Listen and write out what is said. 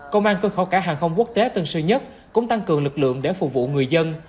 công an cơ khẩu cả hàng không quốc tế tân sơn nhất cũng tăng cường lực lượng để phục vụ người dân